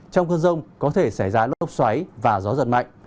trong cơn rông có thể xảy ra lốc xoáy và gió giật mạnh